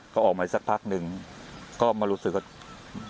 ก็ออกมาสักพักหนึ่งก็มารู้สึกว่า